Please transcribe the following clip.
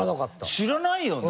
知らないよね。